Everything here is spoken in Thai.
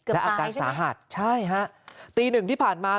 เกือบปลายใช่ไหมใช่ฮะตีหนึ่งที่ผ่านมา